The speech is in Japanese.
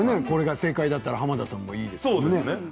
これが正解だったら濱田さんもいいですよね。